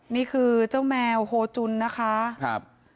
นี่คือเจ้าแมวโฮจุนนะคะครับ